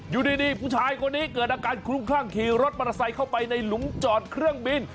อยู่ดีผู้ชายคนนี้เกิดอาการคลุ้งข้างขี่รถมันใส่เข้าไปในหลุงจอดเครื่องบิน